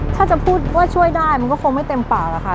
ถ้าจะพูดว่าช่วยได้มันก็คงไม่เต็มปากอะค่ะ